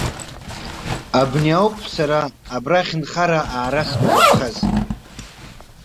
Абни ауп сара абрахь нхара аара сгәазырԥхаз.